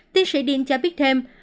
tiến sĩ tidin cho biết thêm